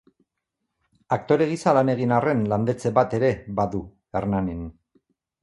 Aktore gisa lan egin arren landetxe bat ere badu, Hernanin.